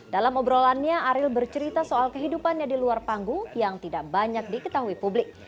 dalam obrolannya ariel bercerita soal kehidupannya di luar panggung yang tidak banyak diketahui publik